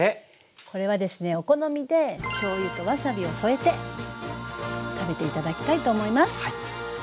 これはですねお好みでしょうゆとわさびを添えて食べて頂きたいと思います。